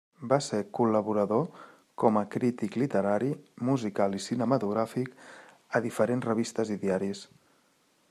Va ser col·laborador, com a crític literari, musical i cinematogràfic, a diferents revistes i diaris.